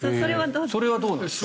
それはどうなんですか。